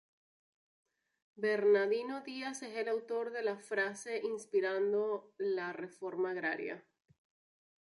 Bernardino Díaz es el autor dela frase inspirando la Reforma Agraria.